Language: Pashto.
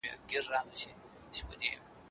افغانستان د بهرني سیاست په جوړولو کي خپلواک نه دی.